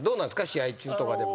試合中とかでも。